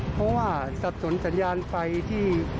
เพราะว่าสับสนสัญญาณไฟที่